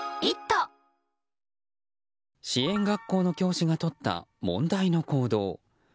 支援学校の教師がとった問題の行動。